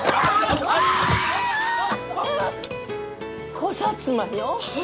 古薩摩よ！